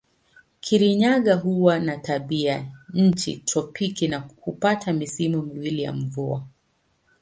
Kirinyaga huwa na tabianchi tropiki na hupata misimu miwili ya mvua.